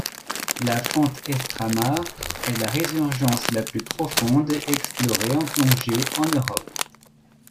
La font Estramar est la résurgence la plus profonde explorée en plongée en Europe.